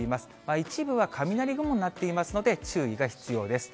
一部は雷雲になっていますので、注意が必要です。